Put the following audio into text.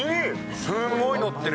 すごい乗ってる。